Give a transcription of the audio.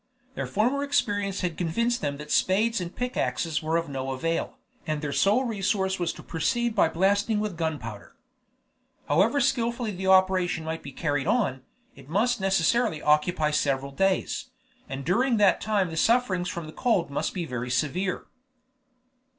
Their former experience had convinced them that spades and pick axes were of no avail, and their sole resource was to proceed by blasting with gunpowder. However skillfully the operation might be carried on, it must necessarily occupy several days, and during that time the sufferings from cold must be very severe.